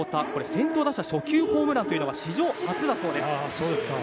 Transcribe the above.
先頭打者初球ホームランは史上初だそうです。